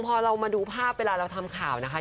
พอเรามาดูภาพเวลาเราทำข่าวนะคะ